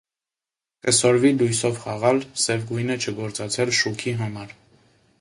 Կը սորվի լոյսով խաղալ, սեւ գոյնը չգործածել շուքի համար։